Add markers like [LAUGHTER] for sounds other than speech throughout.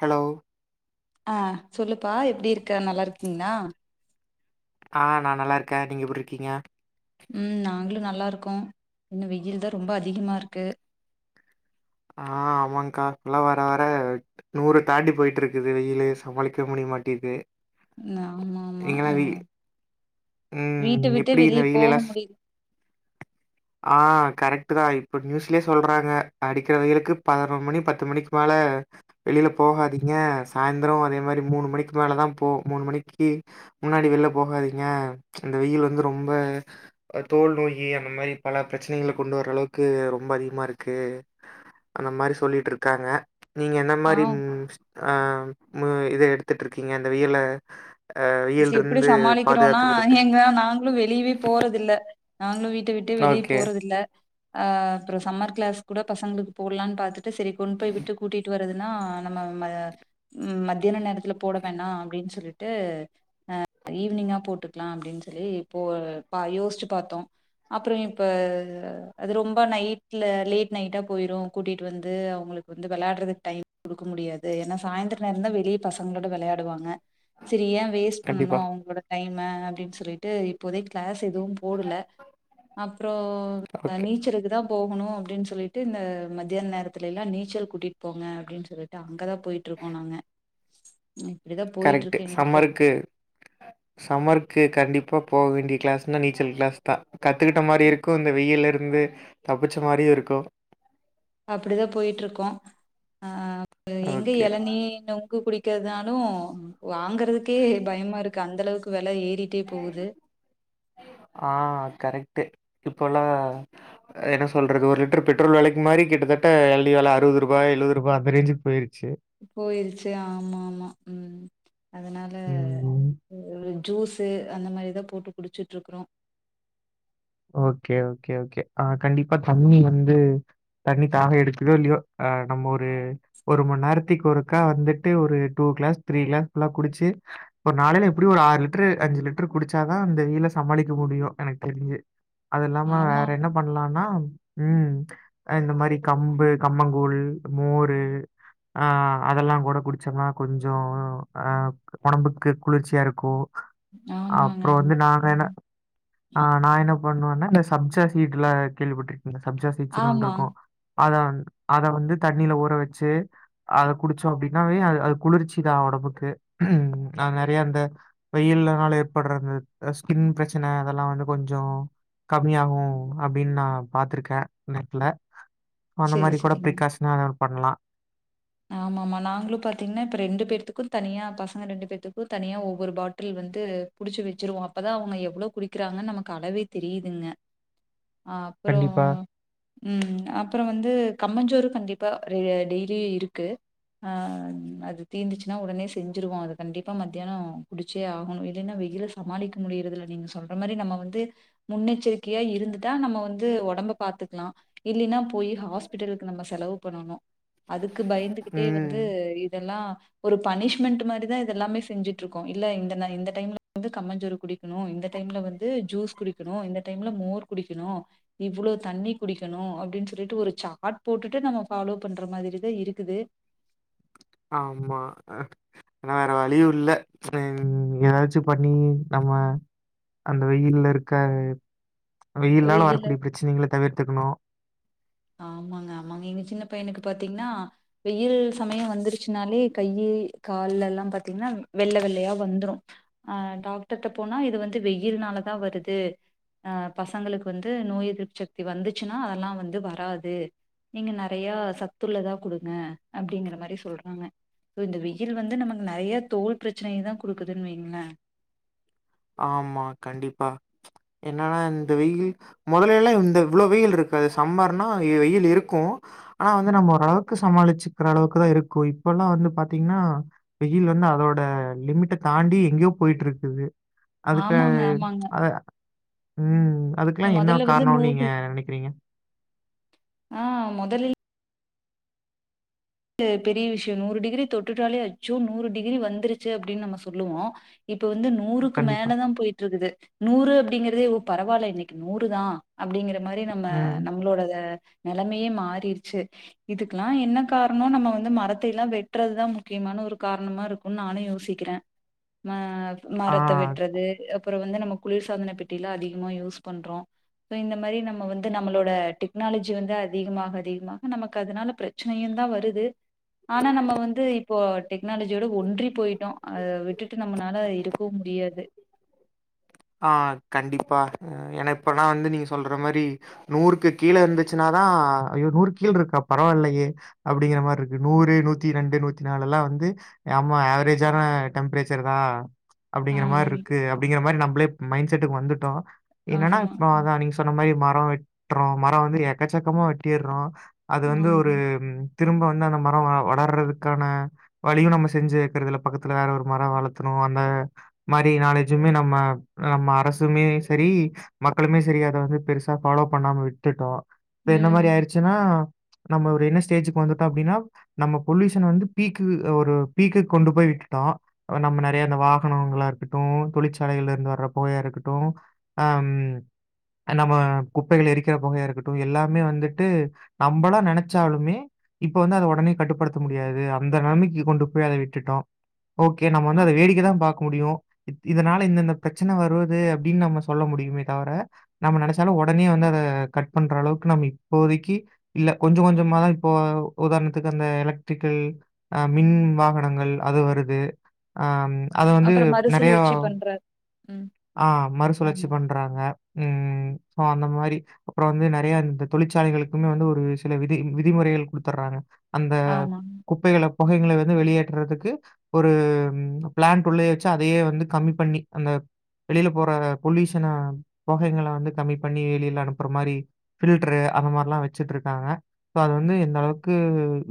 Hello அ சொல்லுப்பா எப்டி இருக்க நல்லா இருக்கீங்ளா? ஆ நா நல்லாருக்க நீங்க எப்டிருக்கீங்க நல்லாருக்கோ இன்னு வெயில்தா ரொம்ப அதிகமாருக்கு ஆ ஆமாங்க்கா இல்ல வர வர நூறு தாண்டி போயிட்ருக்குது வெயிலு சமாளிக்க முடி மாட்டிது ந ஆமா ஆமா ஆ வீட்ட ம் விட்டு எப்படி இந்த வெளிய போக வெயிலெல்லாம் ஸ் முடிது ஆ கரெக்ட்டுதா இப்ப நியூஸ்லியே சொல்றாங்க அடிக் க்ற வெய்லுக்கு பதினொரு மணி பத்து மணிக்கு மேல வெளில போகாதீங்க சாயந்தரோ அதே மாரி மூணு மூணு மணிக்கு மேலதா போ மூணு மணிக்கி முன்னாடி வெள்ள போகாதீங்க அந்த வெயில் வந்து ரொம்ப தோல் நோயி அந்த மாரி பல பிரச்சனைகள கொண்டு வரளவுக்கு ரொம்ப அதிகமாருக்கு அந்த மாரி சொல்லிட்ருக்காங்க நீங்க என்ன ஆ மாரி ம் ஆ மு இத எடுத்துட்ருக்கீங்க இந்த வெயில்ல வச்டு எப்டி சமாளிக்றோனா எங்க நாங்ளு வெளியிவே போறதில்ல நாங்ளு வீட்ட விட்டு வெளிய ஓகே. போறதில்ல அ அப்றோ சம்மர் கிளாஸ் கூட பசங்ளுக்கு போட்லான் பாத்துட்டு சரி கொண்போய் விட்டு கூட்டிட்டு வறதுனா நம்ம நம்ம மத்தியான நேரத்துல போட வேணா அப்டின் சொல்லிட்டு அ ஈவ்னிங்கா போட்டுக்லா அப்டின் சொல்லி போ பா யோஸ்ச்சு பாத்தோ அப்ற இப்ப அது ரொம்ப நைட்ல லேட் நைட்டா போயிரு கூட்டிட்டு வந்து அவுங்ளுக்கு வந்து விளையாட்றதுக்கு டைம் குடுக்க முடியாது ஏனா சாயந்தர நேரந்தா வெளிய பசங்ளோட வெளையாடுவாங்க சிறிய வெ பன்னனு கண்டிப்பா. அவுங்ளோட டைம அப்டின் சொல்லிட்டு இப்போதைக் கிளாஸ் எதுவும் போடுல அப்றோ ஓகே. நீச்சருக்குதா போ போணு அப்டின் சொல்லிட்டு இந்த மத்தியான் நேரத்திலல்லா நீச்சல் கூட்டிட் போங்க அப்டின் சொல்லிட்டு அங்கதா போயிட்ருக்கோ நாங்க இப்டிதா கரெக்ட்டு. போயிட்ருக்கு எங்ளுக்கு சம்மருக்கு சம்மருக்கு கண்டிப்பா போவேண்டிய கிளாஸ்னா நீச்சல் கிளாஸ்தா கத்துக்கிட்ட மாரிருக்கு இந்த வெயில்லருந்து தப்பிச்ச மாரியுருக்கூ அப்டிதா போயிட்ருக்கோ அ எங்க ஓகே. எளநீ இன்னு குடிக்கிறதுனாலு வாங்கறதுக்கே பயமாருக்கு அந்தளவுக்கு வெல ஏத் ஆ கரைட் ட்டு இப்போல்லா என்ன சொல்றது ஒரு லிட்டர் பெட்ரோல் வெலைக் மாரி கிட்டதட்ட எல்னி வெல அறுவது ரூபா எழுவரூபா அந்த ரேஞ்சுக் போயிருக்கு போயிருச்சு ஆமா ஆமா ம் அதனால ம். ஜூஸு அந்த மாரிதா போட்டு குடிச்சுட்ருக்றோ ஓகே ஓகே ஓகே ஆ கண்டிப்பா தண்ணி வந்து தண்ணி தாக எடுக்குதோ இல்லியோ அ நம்ம ஒரு ஒரு மண் நேரத்திக் ஒருக்கா வந்துட்டு ஒரு டு கிளாஸ் த்ரி கிளாஸ்ல்லா குடிச்சி ஒரு நாளைல எப்டி ஒரு ஆறுலிட்ரு அஞ்சு லிட்ரு குடிச்சா தா இந்த வெயி ல சமாளிக்க சமாளிக்க முடியு எனக்கு தெரிஞ்சு அது இல்லாம ஆமா வேற என்ன பண்ணலானா ம் இந்த மாரி கம்பு கம்மங்கூழ் மோரு ஆ அதெல்லா கூட குடிச்சோம்னா கொஞ்சோ அ ஒடம்புக்கு குளிர்ச்சியா இருக்கூ ஆமாங்க அப்றோ வந்து ஆமா நாங்க என்ன ம் ஆ நா என்ன பண்ணுவனா இந்த சப்ஜா சீடுல கேள்விப்பட்டிருக்கீங்ளா சப்ஜா சீட்ஸ்னு ஒன்று ஆமா இருக்கூ அத அத வந்து தண்ணில ஊற வச்சு அத குடிச்சோ அப்டின்னாவே அ அது குளிர்ச்சிதா ஒடம்புக்கு அது நெறைய அந்த வெயில் னால ஏற்பட்றந்த ஸ்கின் பிரச்சன அதெல்லா வந்து கொஞ்சோ கம்மியாகு அப்டின் நா பா்த்திருக்க நெட்ல அந்த செரி மாரி கூட பிரிகாஷன லெவல் பண்லா ஆமா ஆமா நாங்ளு பாத்தீங்ன்னா இப்ப ரெண்டு பேர்த்துக்கு தனியா பசங்க ரெண்டு பேர்த்துக்கு தனியா ஒவ்வொரு பாட்டில் வந்து வந்து புடிச்சு வச்சிருவோ அப்பதா அவுங்க எவ்ளோ குடிக்கிறாங்கன்னு நமக்கு அளவே தெரியுதுங்க அ அப்புறோ கண்டிப்பா. ம் அப்புறம் வந்து கம்மஞ்சோரு கண்டிப் இப்ப டெய்லியு இருக்கு ஆ அது தீந்துச்சுன்னா உடனே செஞ்சிருவோம் அது கண்டிப்பா மத்தியாநோ குடிச்சே ஆகணும் இல்லைன்னா வெ யில சமாளிக்க முடியிறது நீங்க சொல்ற மாரி நம்ம வந்து முன்னெச்சரிக்கையா இருந்துடா நம்ம வந்து உடம்ப பாத்துக்கலா இல்ன்னா போய் ஹாஸ்பிட்டலுக்கு நம்ம செலவு பண்ணணும் கு பயந்துகிட்டே ம். வந்து இதெல்லா ஒரு பனிஷ்மெண்ட் மாரி தான் இதெல்லாமே செஞ்சுட்டு இருக்கோம் இல்ல இந்த டைம்ல வந்து கம்மஞ்சோறு குடிக்கணும் இந்த டைம்ல வந்து ஜூஸ் குடிக்கணு இந்த டைம்ல மோர் குடிக்கணு இவ்லோ தண்ணி குடிக்கணு அப்டின் சொல்லிட்டு ஒரு சார்ட் போட்டுட்டு நம்ம ஃபாலோ பண்ற மாதிரி தா இருக்குது ஆமா ஆன்னா வேற வழியும் இல்ல உ ஏதாச்சும் பண்ணி நம்ம அந்த வெயில்ல இருக்க வெயில்னால வெயில வரக்கூடிய பிரச்சனைகள தவிர்த்துக்கணும் ஆமாங்க ஆமாங்க எங்க சின்ன பையனுக்கு பாத்தீங்கன்னா வெயில் சமயம் வந்துருச்சுனாலே கைய யி கால்லெல்லாம் பாத்தீங்கன்னா வெள்ள வெள்ளையா வந்ரும் ஆ டாக்டர்ட போனா இது வந்து வெயில் துனால தா வருது அ பசங்களுக்கு வந்து நோய் எதிர்ப்பு சக்தி வந்துச்சுன்னா அதெல்லாம் வந்து வரா ராது நீங்க நறைய சத்துள்ளதா குடுங்க அப்படிங்கற மாரி சொல்றாங்க யோ இந்த வெயில் வந்து நமக்கு நறைய தோல் பிரச்சனைைய தா குடுக்குதுன்னு வைங்கலே ஆமா கண்டிப்பா என்னன்னா இந்த வெயில் முதல எல்லா இந்த இவ்வளவு வெயில் இருக் காது சம்மர்னா வெயில் இருக்கூ ஆனா வந்து நம்ம ஓரளவுக்கு சமாளிச்சுக்கிற அளவுக்கு தா இருக்கூ இப்ப பல்லா வந்து பாத்தீங்கன்னா வெயில் வந்து அதோட லிமிட்ட தாண்டி எங்கயோ போயிட்டுருக்குது அதுக்கு ஆமாங்க ஆமாங்க அத உம் அதுக்கெல்லா என்ன மொதல்ல வந்து கார்நோனு நீங்க நூறு நினைக்கிறீங்க ஆ மொதலில் பெரிய விஷயம் நூறு டிகிரி தொட்டுட்டாலே வச்சும் நூறு டிகிரி வந்துருச்சு அப்படின்னு நம்ம சொல்லுவோம் இப்ப வந்து நூறுக்கு கண்டிப்பா. மேல தான் போயிட்டுருக்குது நூறு அப்படிங்கறதே ஒ பரவால்ல இன்னைக்கு நூறு தா அப்படிங்கிற மாரி நம்ம ம். நம்மளோட நிலைமையே மாறிடுச்சு இதுக்கெல்லாம் என்ன கார்னோ நம்ம வந்து மரத்தைலா எல்லாம் வெட்டுறதுதா முக்கியமான ஒரு காரணமா இருக்குனு நானு யோசிக்கிற ஆ ஆ. மரத்த வெட்டுறது அப்ரோ வந்து நம்ம குளிர் சாதன பெட்டிலா அதிகமா யூஸ் பண்றோ ப சோ இந்த மாரி நம்ம வந்து நம்மளோட டெக்னாலஜி வந்து அதிகமாக அதிகமாக நமக்கு அதனால பிரச் நையுந்தா வருது ஆனா நம்ம வந்து இப்போ டெக்னாலஜியோட ஒன்றி போயிட்டோம் அத விட்டுட்டு நம்மளால இருக்கவு முடியா முடியாது ஆ கண்டிப்பா ஏனா இப்பனா வந்து நீங்க சொல்ற மாரி நூறுக்கு கீழ இருந்துச்சுன்னா ஆ ஐயோ நூறு கீழ் இருக்கா பரவால்லையே அப்படிங்கிற மாரி இருக்கு நூறு நூத்தி ரெண்டு நூத்தி நாலு எல்லா வந்து ஆமா ஆவரேஜான டெம்ப்ரேச்சர் தான் அப்புடிங்கிற ஆமாங்க. மாருக்கு அப்புடிங்குற மாரி நம்பளே மைண்ட் செட்டுக்கு வந்துட்டோ என்னன்னா ஆமா. இப்ப ம். அதான் நீங்க சொன்ன மாரி மரோ வெட்டுறோ மரோ வந்து எக்கச்சக்கமா வெட்டிறோ அது வந்து ஒரு ஆமாங்க. உம் திரும்ப வந்து அந்த மரோ வளர்றதுக்கான வழியு நம்ம செஞ்சு வைக்குறதில்ல பக்கத்துல வேற ஒரு மரம் வளத்தணு அந்த மாரி நாலேஜ்ஜமே நம்ம நம்ம அரசுமே சேரி மக்களுமே சேரி அத வந்து பெருசா ஃபாலோ பண்ணாம விட்டுட்டோ இப்ப என்ன ம். மாரி ஆயிருச்சுன்னா நம்ம ஒரு என்ன ஸ்டேஜுக்கு வந்துட்டோ அப்படின்னா நம்ம பொல்யூஷன் வந்து பீக்கு ஒரு பீக்கு கொண்டு போய் விட் டுட்டோ நம்ம நறைய அந்த வாகனங்களா இருக்கட்டு தொழிற்சாலைகல இருந்து வர போகையா இருக்கட்டு ஹம் நம்ம குப்பைகள் எரிக்கிற பொகையா இருக்கட்டு எல்லாமே வந்துட்டு நம்பல்லா நனச்சாலுமே இப்ப வந்து அத உடனே கட்டுப்படுத்த முடியாது அந்த நலைமைக்கு கொண்டு போய் அத விட்டுட்டோ ஓகே நம்ம அ வந்து அத வேடிக்கை தான் பாக்க முடியு இதனால இந்த இந்த பிரச் சின வருவது அப்புடின்னு நம்ம சொல்ல முடியுமே தவிர நம்ம நினச்சாலும் உடனே வந்து அத கட் பண்ற அளவுக்கு நம் இப்போதைக்கு இல்ல கொஞ்சோ கொஞ்சோமா தான் இப்போ உதாரணத்துக்கு அந்த எலக்ட்ரிக்கல் ஆம் மின் வாகனங்கள் அது வருது ஆஹ் அது வந்து அப்புறம் நிறைய மறுசுழற்சி பண்றார். ம். ஆஹ் மறுசுழற்சி ஆமா, பண்றாங்க உம் உம் சோ அந்த மாரி அப்றோ வந்து நிறைய இந்த தொழிற்சாலைகளுக்குமே வந்து ஒரு சில விதி விதிமுறைகள் குடுத்துறாங்க அந்த ஆமா. குப்பைகள புகைகளை வந்து வெளியேற்றதுக்கு ஒரு பிளான்ட் உள்ளயே வச்சு அதையே வந்து கம்மி பண்ணி அந்த வெளியில போற பொல்யூஷன பொகைகள வந்து கம்மி பண்ணி வெளியில அனுப்புற மாரி பில்டரு அந்த மாரிலா வச்சுட்டு இருக்காங்க அது வந்து எந்த அளவுக்கு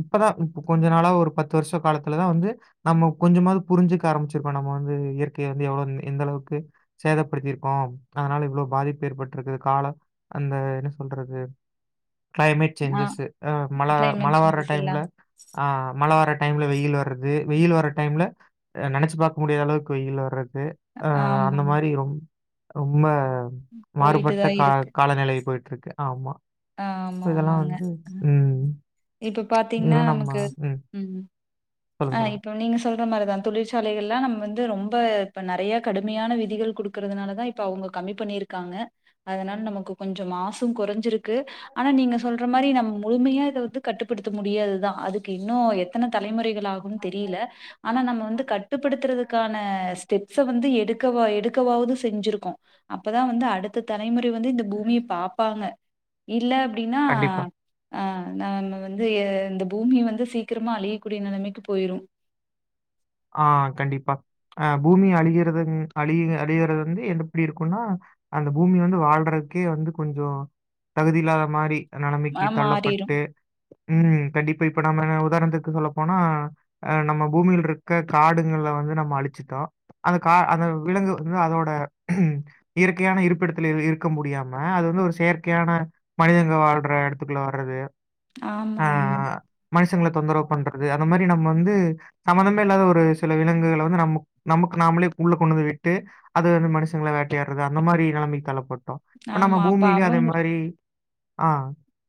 இப்பதான் இப் கொஞ்ச நாளா ஒரு பத்து வருஷோ காலத்துலதான் வந்து நம்ம கொஞ்சமாவது புரிஞ்சுக்க ஆரம்பிச்சிருக்கோ நம்ம வந்து இயற்கைய வந்து எவ்ளோ எந்த அளவுக்கு சேதப்படுத்திருக்கோம் அதனால இவ்ளோ பாதிப்பு ஏற்பட்டிருக்குது கால அந்த என்ன சொல்றது க்ளைமேட் ஆ சேஞ்சஸ்ஸு மழ மழ கிளைமேட் வர சேஞ்சஸ் டைம்ல எல்லாமே. ஆஹ் மழ வர டைம்ல வெயில் வர்றது வெயில் வர டைம்ல நினைச்சு பாக்க முடியாத அளவுக்கு வெயில் வர்றது அஹ் அந்த ஆமாமா. மாரி ரொம் ரொம்ப போயிட்டு மாறுபட்ட தான் கா இருக்கு. காலநிலை போயிட்டு இருக்கு ஆமா ஆமா, இப்ப இதெல்லா ஆமாங்க. வந்து அ உம் உம் இப்ப பாத்தீங்கன்னா நமக்கு உம் சொல்லுங்க, ஆஹ் சொல்லுங்க. இப்ப நீங்க சொல் ம் இந்த மாரி தான் தொழிற்சாலைகள்ல்லா நம்ம வந்து ரொம்ப இப்ப நிறைய கடுமையான விதிகள் குடுக்குறதுனால தான் இப்ப அவுங்க கம்மி பண்ணியிருக்காங்க அதனால நமக்கு கொஞ்சோ மாசு குறஞ்சிருக் கு ஆனா நீங்க சொல்ற மாரி நம்ம முழுமையா வந்து கட்டுப்படுத்த முடியாதுதான் அதுக்கு இன்னும் எத்தன தலைமுறைகள் ஆகும் தெரியல ஆனா நம்ம வந்து கட்டுப்படுத்துறதுக்கான ஸ்டெப்ஸ் அ வந்து எடுக்க எடுக்கவாவது செஞ்சிருக்கோ அப்பதான் வந்து அடுத்த தலைமுறை வந்து இந்த பூமிய பாப்பாங்க இல்ல அப்புடின்னா கண்டிப்பா. ஆஹ் நம்ம வந்து இந்த பூமிய வந்து சீக்கிரமா அழியக்கூடிய நிலைமைக்கு போயிரும் [INAUDIBLE] ஆஹ் கண்டிப்பா அஹ் பூமி அழிகிறது அழி அழியிறது வந்து என்ன எப்புடி இருக்குன்னா அந்த பூமி வந்து வாழ்றதுக்கே வந்து கொஞ்சோ தகுதி இல்லாத மாரி நலமைக்கு ஆ மாறிரு தள்ளப்பட்டு உம் கண்டிப்பா இப்ப நம்ம உதாரணத்துக்கு சொல்லப்போனா அஹ் நம்ம பூமியில் இருக் க்க காடுங்கள வந்து நம்ம அழிச்சுட்டோ அந்த கா அந்த விலங்கு வந்து அதோட இயற்கையான இருப்பிடத்துல இருக்க முடியாம அது வந்து ஒரு செயற்கையான மனிதங்க வாழ்ற இடத்துக்குள்ள வர்றது ஆமா ஆமா ச்சங்கள தொந்தரவு பண்றது அந்த மாதிரி நம்ம வந்து சம்மந்தமே [UNINTELLIGIBLE] இல்லாத ஒரு சில விலங்குகள வந்து நம நமக்கு நாமளே உள்ள கொண்டு வந்து விட்டு அது வந்து மனுஷங்கள வேட்டையாட்றது அந்தமாரி நெலமைக்கு தள்ளப் பட்டோம் இப்ப நம்ம ஆமா அப்ப பூமிலையும் அதேமாரி ஆ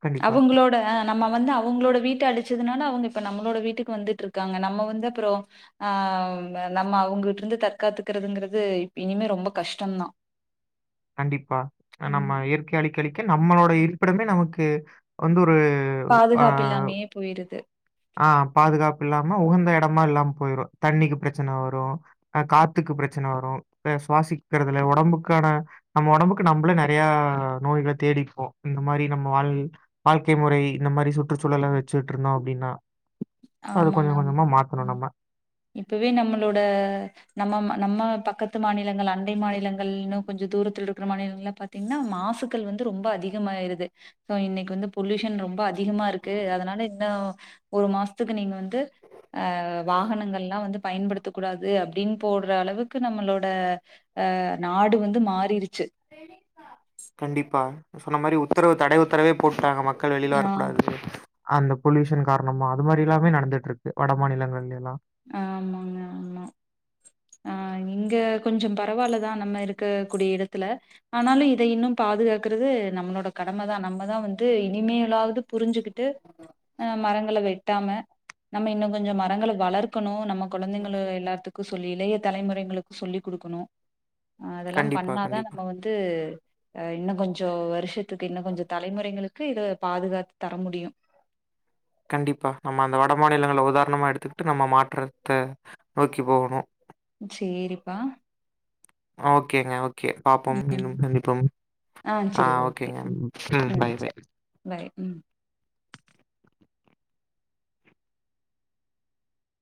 கண்டிப்பா. அவுங்களோட ஆ நம்ம வந்து அவுங்களோட வீட்ட அழிச் ச்சதுனால அவுங்க இப்ப நம்மளோட வீட்டுக்கு வந்துட்ருக்காங்க நம்ம வந்து அப்புறம் ஆ நம்ம அவங்கட்ருந் ந்து தற்காத்துக்குறதுங்கறது இனிமே ரொம்ப கஷ்டம் தான் கண்டிப்பா நம்ம இயற்கைய அழிக்க அழிக்க நம்மளோட இருப்பிடமே நமக்கு வந்து ஒரு ஒரு ஆ பாதுகாப்பு இல்லாமயே போயிருது. ஆ பாதுகாப்பில்லாம உகந்த எ எடமா இல்லாம போயிரும் தண்ணிக்கு பிரச்சன வரும் காத்துக்கு பிரச்சன வரும் வேற சுவாசிக்கிறதுல ஒடம்புக்கான நம்ம ஒடம்புக்கு நம்பலே நெறைய நோய்கள தேடிப்போம் இந்தமாரி நம்ம வாழ் வாழ்க்கை முறை இந்த இந்தமாரி சுற்றுச்சூழல வச்சிட்ருந்தோம் அப்டின்னா அத ஆமாங்க, கொஞ்சம் கொஞ்சமா ஆமாங்க. மாத்தணும் ம். நம்ம இப்பவே நம்மளோட நம்ம நம்ம பக் பக்கத்து மாநிலங்கள் அண்டை மாநிலங்கள்ன்னு கொஞ்சம் தூரத்துலருக்குற மாநிலங்கள்லாம் பாத்தீங்கன்னா மாசுக்கள் வந்து ரொம்ப அதிகம் அதிகமாயிருது சோ இன்னைக்கு வந்து பொலியூஷன் ரொம்ப அதிகமா இருக்கு அதனால இன்னும் ஒரு மாச த்துக்கு நீங்க வந்து ஆ வாகனங்கள்லாம் வந்து பயன்படுத்தக் கூடாது அப்டின்னு போட்ற அளவுக்கு நம்மளோட ஆ நாடு வந்து மாறிரி கண்டிப்பா நீங்க சொன்ன மாறி உத்தரவு தடை உத்தரவே போட்டாங்க மக் கள் வெளில ஆ வரக்கூடாது அந்த பொலியூஷன் காரணமா அதுமாரிலாமே நடந்துட்ருக்கு வட மாநிலங்கள்லேலா ஆமாங்க ஆமா ஆ [INAUDIBLE] இங்க கொஞ்சோ பரவால்லதா நம்ம இருக்கக்கூடிய இடத்துல ஆனாலு இத இன்னு பாதுகாக்குறது நம்மளோட கடமதா நம்மதா வந்து இனிமேலாவது புரிஞ்சுக்கிட் ட்டு மரங்கள வெட்டாம நம்ம இன்னு கொஞ்சோ மரங்கள வளர்க் கணு நம்ம கொழந்தைங்கள எல்லாத்துக்கு சொல்லி இளைய தலைமுறைங்களுக்கு சொல்லி குடுக்கணு அதெல்லா கண்டிப்பா பண்ணாதா கண்டிப்பா நம்ம வந்து ஆ இன்னு கொஞ் கொஞ்சோ வருஷத்துக்கு இன்னு கொஞ்சோ தலைமுறைங்களுக்கு இத பாதுகாத்து தர முடியு கண்டிப்பா நம்ம அந்த வட மாநிலங்கள உதாரணமா எடுத்துக்கிட்டு நம்ம மாற்றத்த நோக்கி போவணு சேரிப்பா ஓகேங்க ஓ ஓகே பாப்பம் மிண்ணும் சந்திப்போம் ஆ செரி ஓகே ஓகேங்க உம் பாய் பாய் உம்